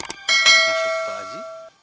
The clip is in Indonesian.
itu suka ji